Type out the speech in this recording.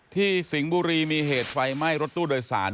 สิงห์บุรีมีเหตุไฟไหม้รถตู้โดยสาร